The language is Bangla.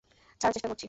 ছাড়ার চেষ্টা করছি।